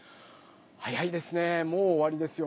早いですねもうおわりですよ。